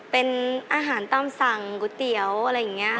เป็นอาหารตามสั่งก๋วยเตี๋ยวอะไรอย่างนี้